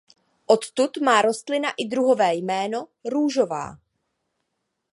Odtud má rostlina i druhové jméno „růžová“.